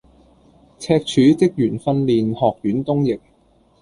赤柱職員訓練學院東翼